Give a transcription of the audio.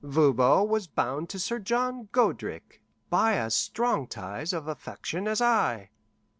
Voban was bound to Sir John Godric by as strong ties of affection as I.